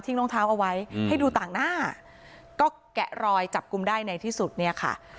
รองเท้าเอาไว้ให้ดูต่างหน้าก็แกะรอยจับกลุ่มได้ในที่สุดเนี่ยค่ะ